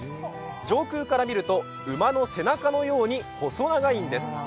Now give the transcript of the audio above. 上空から見ると、馬の背中のように細長いんです。